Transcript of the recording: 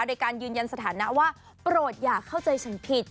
โดยการยืนยันสถานะว่าโปรดอย่าเข้าใจฉันผิด